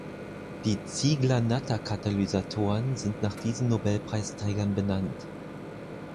Die Ziegler-Natta-Katalysatoren sind nach diesen Nobelpreisträgern benannt.